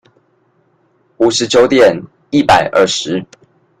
五十九點一百二十